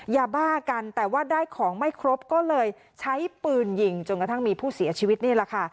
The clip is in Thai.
ยาบ้ากันแต่ว่าได้ของไม่ครบก็เลยใช้ปืนยิงจนกระทั่งมีผู้เสียชีวิตนี่แหละค่ะ